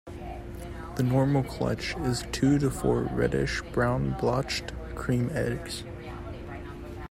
The normal clutch is two to four reddish brown-blotched cream eggs.